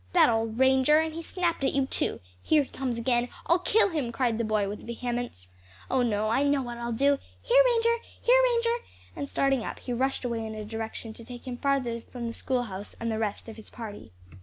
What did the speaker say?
"That old Ranger! and he snapped at you too. Here he comes again. I'll kill him!" cried the boy, with vehemence. "Oh no, I know what I'll do! Here Ranger! here Ranger!" and starting up he rushed away in a direction to take him farther from the schoolhouse and the rest of his party.